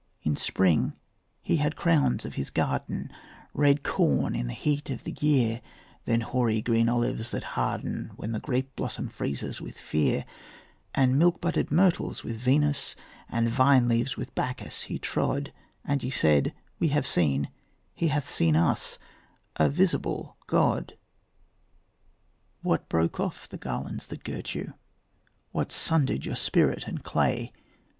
In spring he had crowns of his garden, Red corn in the heat of the year, Then hoary green olives that harden When the grape blossom freezes with fear; And milk budded myrtles with Venus And vine leaves with Bacchus he trod; And ye said, "We have seen, he hath seen us, A visible God." What broke off the garlands that girt you? What sundered you spirit and clay?